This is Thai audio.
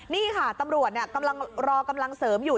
นี่ค่ะตำรวจกำลังรอกำลังเสริมอยู่